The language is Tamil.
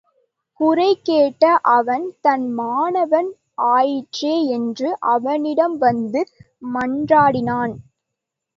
குறை கேட்ட அவன் தன் மாணவன் ஆயிற்றே என்று அவனிடம் வந்து மன்றாடினான்.